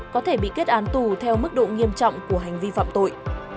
có thể bị kết án tù theo mức độ nghiêm trọng của hành vi phạm tội